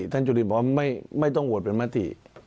จุรินบอกว่าไม่ต้องโหวตเป็นมติ